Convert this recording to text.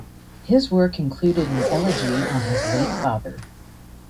His work included an elegy on his late father.